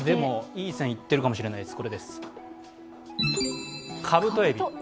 いい線いってるかもしれないです。